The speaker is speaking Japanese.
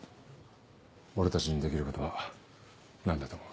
俺たちにできることは何だと思う？